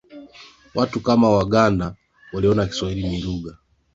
Watu kama Waganda waliona Kiswahili ni lugha ya